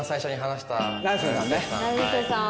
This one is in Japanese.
成瀬さん。